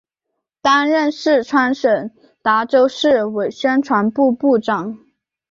担任四川省达州市委宣传部部长。